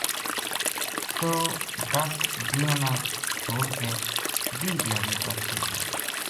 تو ہ دَس دِیہناں نا چھوڈ کے بیہہ دھیاڑی بادشاہی کر